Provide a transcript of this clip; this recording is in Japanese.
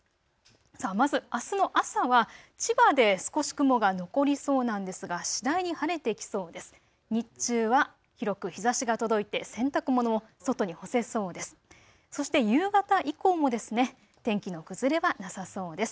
まず、あすの朝は千葉で少し雲が残りそうなんですが次第に晴れてきそうです。